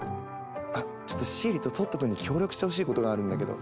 あちょっとシエリとトット君に協力してほしいことがあるんだけど。